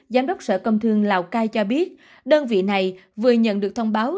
giám đốc sở công thương lào cai cho biết đơn vị này vừa nhận được thông báo